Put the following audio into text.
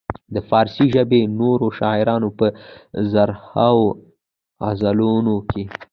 د فارسي ژبې نورو شاعرانو په زرهاوو غزلونو کې.